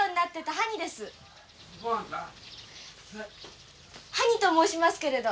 羽仁と申しますけれど。